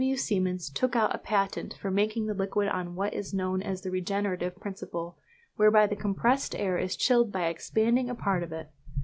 W. Siemens took out a patent for making the liquid on what is known as the regenerative principle, whereby the compressed air is chilled by expanding a part of it.